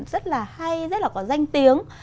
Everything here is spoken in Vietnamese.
rất là hay rất là có danh tiếng